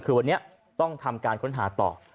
คือวันนี้ต้องทำการค้นหาต่อ